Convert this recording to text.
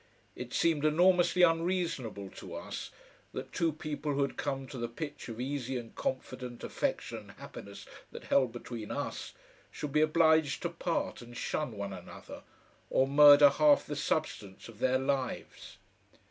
It seemed enormously unreasonable to us that two people who had come to the pitch of easy and confident affection and happiness that held between us should be obliged to part and shun one another, or murder half the substance of their lives.